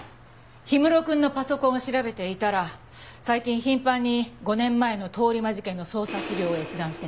氷室くんのパソコンを調べていたら最近頻繁に５年前の通り魔事件の捜査資料を閲覧してた。